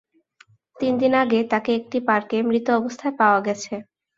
তিনদিন আগে তাকে একটি পার্কে মৃত অবস্থায় পাওয়া গেছে।